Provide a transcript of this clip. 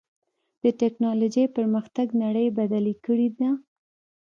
د ټکنالوجۍ پرمختګ نړۍ بدلې کړې ده.